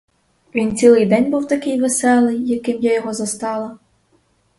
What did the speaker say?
Він цілий день був такий веселий, яким я його застала?